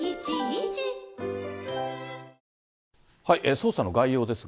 捜査の概要ですが。